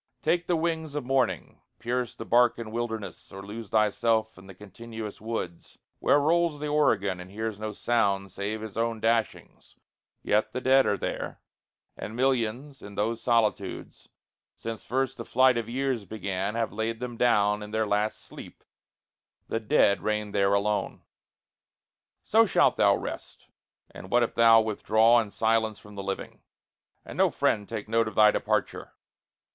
Take the wings Of morning, pierce the Barcan wilderness, Or lose thyself in the continuous woods Where rolls the Oregon, and hears no sound Save his own dashings yet the dead are there; And millions in those solitudes, since first The flight of years began, have laid them down In their last sleep the dead reign there alone. So shalt thou rest; and what if thou withdraw In silence from the living, and no friend Take note of thy departure?